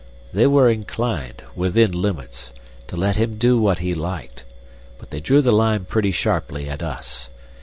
They were inclined, within limits, to let him do what he liked, but they drew the line pretty sharply at us.